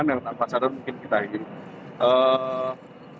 yang tak pasaran mungkin kita inginkan